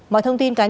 mọi thông tin cá nhân